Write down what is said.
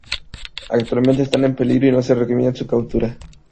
Actualmente están en peligro y no se recomienda su captura.